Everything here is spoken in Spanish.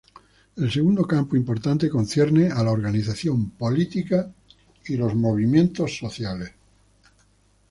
El segundo campo importante concierne a la organización política y los movimientos sociales.